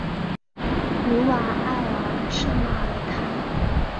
努瓦埃尔圣马尔坦。